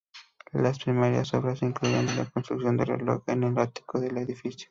Las primeras obras incluían la construcción de un reloj en el ático del edificio.